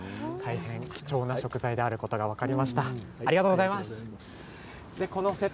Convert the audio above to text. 貴重な食材ということが分かりました。